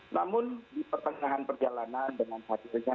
namun di pertengahan perjalanan dengan hadirnya